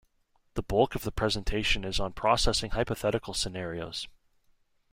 The bulk of the presentation is on processing hypothetical scenarios.